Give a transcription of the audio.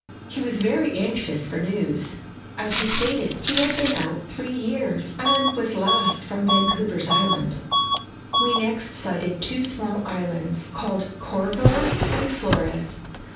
He was very anxious for news, as he stated he had been out three years, and was last from Vancouver 's Island. We next sighted two small islands, called Corvo and Flores.